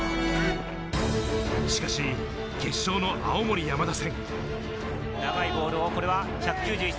しかし、決勝の青森山田戦。